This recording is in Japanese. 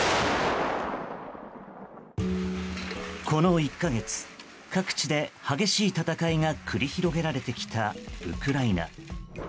この１か月、各地で激しい戦いが繰り広げられてきたウクライナ。